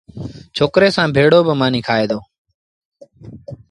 ڇوڪري سآݩ ڀيڙو مآݩيٚ با کآئي دو۔